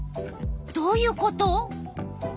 どういうこと？